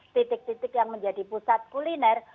titik titik yang menjadi pusat kuliner